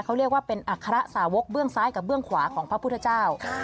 เขาเรียกว่าเป็นอัคระสาวกเบื้องซ้ายกับเบื้องขวาของพระพุทธเจ้า